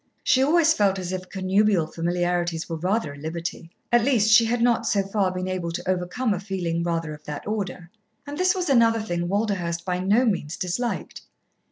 She always felt as if connubial familiarities were rather a liberty; at least she had not, so far, been able to overcome a feeling rather of that order. And this was another thing Walderhurst by no means disliked.